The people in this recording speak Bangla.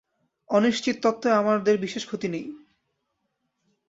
অনিশ্চিতত্বেও আমাদের বিশেষ ক্ষতি নাই।